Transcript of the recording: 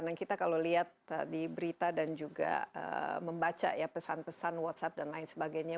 dan kita kalau lihat di berita dan juga membaca ya pesan pesan whatsapp dan lain sebagainya